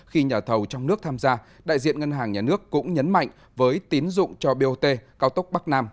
khi nhà thầu trong nước tham gia đại diện ngân hàng nhà nước cũng nhấn mạnh với tín dụng cho bot cao tốc bắc nam